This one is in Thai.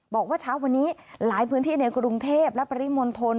บอกว่าเช้าวันนี้หลายพื้นที่ในกรุงเทพและปริมณฑล